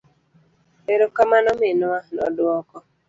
Ero kamano minwa, noduoko.